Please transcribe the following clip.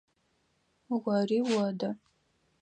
Ори одэ.